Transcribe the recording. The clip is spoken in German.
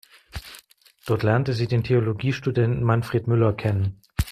Dort lernte sie den Theologie-Studenten Manfred Müller kennen.